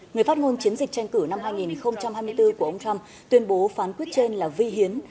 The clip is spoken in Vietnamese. người phát ngôn chiến dịch tranh cử năm hai nghìn hai mươi bốn của ông trump tuyên bố phán quyết trên là vi hiến